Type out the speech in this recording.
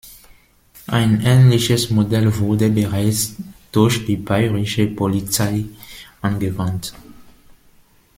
Ein ähnliches Modell wurde bereits durch die bayrische Polizei angewandt.